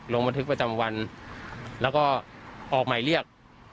ลงบันทึกประจำวันแล้วก็ออกหมายเรียก